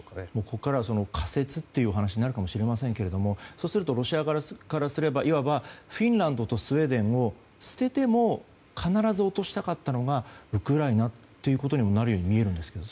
ここからは仮説というお話になるかもしれませんけどそうすると、ロシア側からすればいわばフィンランドとスウェーデンを捨てても必ず落としたかったのがウクライナということにもなるように見えるんですが。